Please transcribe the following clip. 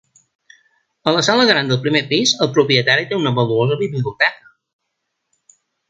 A la sala gran del primer pis, el propietari té una valuosa biblioteca.